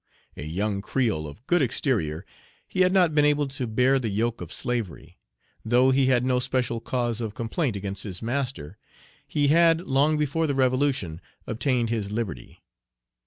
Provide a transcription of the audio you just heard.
Page 53 A young creole of good exterior, he had not been able to bear the yoke of slavery, though he had no special cause of complaint against his master; he had, long before the revolution, obtained his liberty.